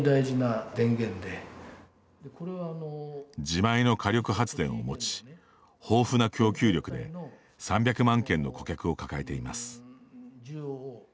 自前の火力発電を持ち豊富な供給力で３００万件の顧客を抱えています。